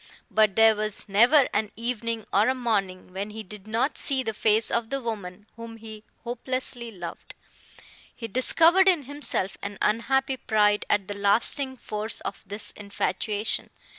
But there was never an evening or a morning when he did not see the face of the woman whom he hopelessly loved. He discovered in himself an unhappy pride at the lasting force of this infatuation.